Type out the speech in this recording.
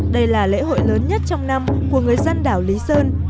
đây là lễ hội lớn nhất trong năm của người dân đảo lý sơn